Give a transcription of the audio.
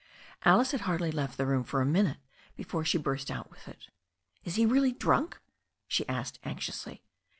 Alice had hardly left the room for a minute before she turst out with it. Is he really drunk?" she asked anxiously.